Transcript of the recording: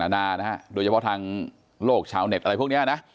นานะฮะโดยเฉพาะทางโลกชาวเน็ตอะไรพวกนี้นะ